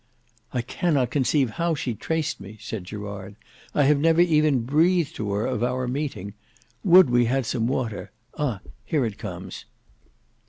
"I cannot conceive how she traced me," said Gerard. "I have never even breathed to her of our meeting. Would we had some water! Ah! here it comes.